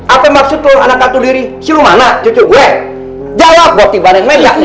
apa maksud lu anak tahu diri